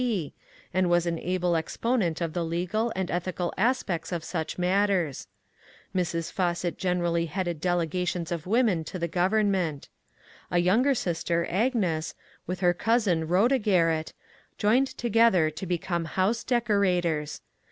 P., and was an able exponent of the legal and ethical aspects of such matters. Mrs. Fawcett generally headed delegations of women to the government. A younger sister, Agnes, and her cousin Shoda Garrett, joined together to become house decorators.